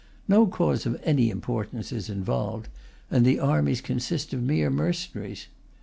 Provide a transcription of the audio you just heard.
No cause of any importance is involved, and the armies consist of mere mercenaries.